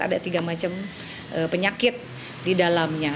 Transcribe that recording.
ada tiga macam penyakit di dalamnya